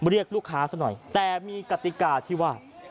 เรียกลูกค้าซะหน่อยแต่มีกติกาที่ว่า